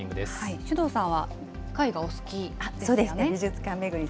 首藤さんは絵画お好きですよね。